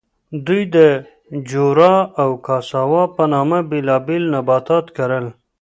دوی د جورا او کاساوا په نامه بېلابېل نباتات کرل.